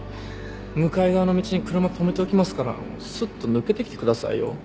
向かい側の道に車止めておきますからすっと抜けてきてくださいよ。